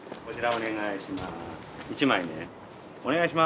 お願いします。